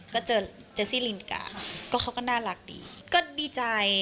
ก็เจอเจซี่ลินกาค่ะก็เขาก็น่ารักดีก็ดีใจ